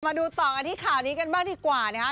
มาดูต่อกันที่ข่าวนี้กันบ้างดีกว่านะคะ